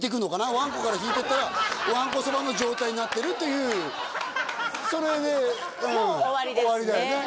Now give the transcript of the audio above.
わんこから引いてったらわんこそばの状態になってるというそれでうん終わりだよね